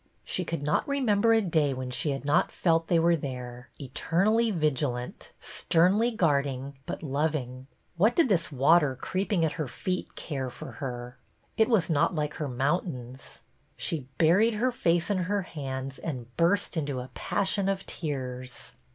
She could not remember a day when she had not felt they were there, eternally vigilant; sternly guarding, but loving. What did this water creeping at her feet care for her ? It was not like her mountains. She buried her face in her hands and burst into a passion of tears.